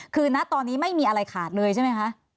คือณตอนนี้ไม่มีอะไรขาดเลยใช่ไหมคะ